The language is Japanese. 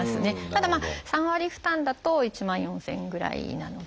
ただ３割負担だと１万４，０００円ぐらいなので。